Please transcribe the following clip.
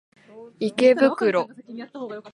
池袋